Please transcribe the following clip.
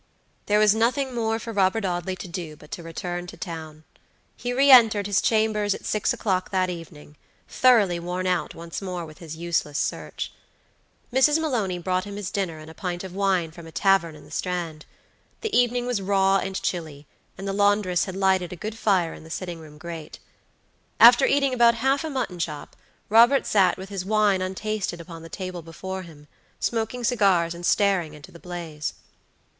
There was nothing more for Robert Audley to do but to return to town. He re entered his chambers at six o'clock that evening, thoroughly worn out once more with his useless search. Mrs. Maloney brought him his dinner and a pint of wine from a tavern in the Strand. The evening was raw and chilly, and the laundress had lighted a good fire in the sitting room grate. After eating about half a mutton chop, Robert sat with his wine untasted upon the table before him, smoking cigars and staring into the blaze.